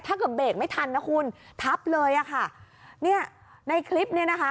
ถ้าเกิดเบรกไม่ทันนะคุณทับเลยอ่ะค่ะเนี่ยในคลิปเนี่ยนะคะ